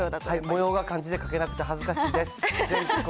もようが漢字が書けなくて恥ずかしいです。